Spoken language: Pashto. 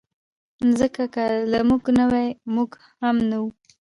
مځکه که له موږ نه وای، موږ هم نه وو.